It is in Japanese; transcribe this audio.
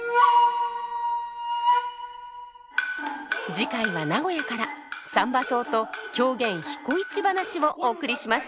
次回は名古屋から「三番叟」と狂言「彦市ばなし」をお送りします。